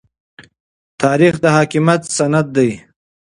تاریخ د حاکمیت سند دی.